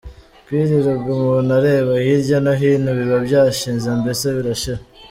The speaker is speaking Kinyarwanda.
Kwirirwa umuntu areba hirya no hino biba byashize mbese birashira.